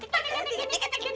ketuk ketuk ketuk ketuk